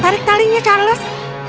tarik talinya charles